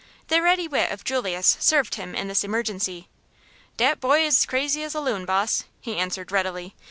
The ready wit of Julius served him in this emergency. "Dat boy is crazy as a loon, boss!" he answered, readily.